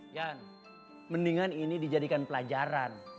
yan mendingan ini dijadikan pelajaran